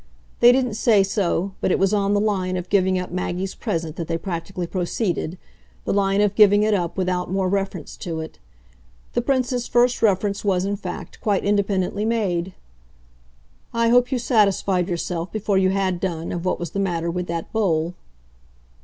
They didn't say so, but it was on the line of giving up Maggie's present that they practically proceeded the line of giving it up without more reference to it. The Prince's first reference was in fact quite independently made. "I hope you satisfied yourself, before you had done, of what was the matter with that bowl."